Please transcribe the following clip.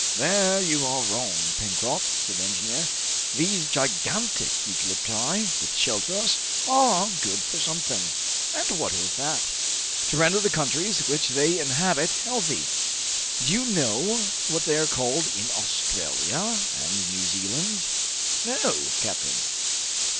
"There you are wrong, Pencroft," said the engineer; "these gigantic eucalypti, which shelter us, are good for something." "And what is that?" "To render the countries which they inhabit healthy. Do you know what they are called in Australia and New Zealand?" "No, captain."